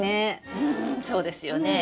うんそうですよね。